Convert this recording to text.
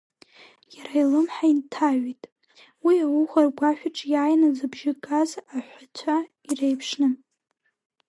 Иара илымҳа инҭаҩит, уи ауха ргәашәаҿ иааины зыбжьы газ аҳәҳәацәа иреиԥшны…